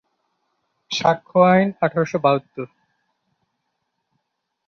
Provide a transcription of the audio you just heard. পরবর্তীতে একটি জাহাজ ফ্রান্সে প্রত্যাবর্তন করে।